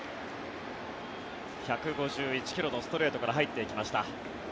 １５１ｋｍのストレートから入っていきました。